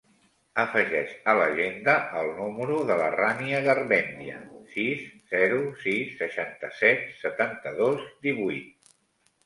Afegeix a l'agenda el número de la Rània Garmendia: sis, zero, sis, seixanta-set, setanta-dos, divuit.